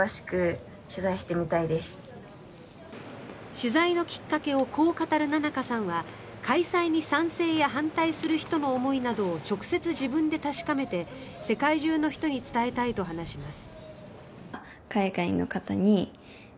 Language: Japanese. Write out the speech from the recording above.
取材のきっかけをこう語るななかさんは開催に賛成や反対する人の思いなどを直接自分で確かめて世界中の人に伝えたいと話します。